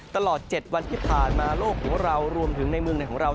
ตลอด๗วันที่ผ่านมาโลกของเรารวมถึงในเมืองในของเรา